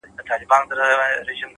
پوهه انسان آزادوي’